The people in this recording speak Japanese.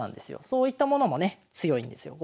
そういったものもね強いんですよ